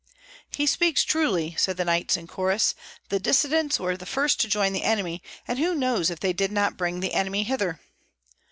"He speaks truly," said the knights, in chorus; "the dissidents were the first to join the enemy, and who knows if they did not bring the enemy hither?"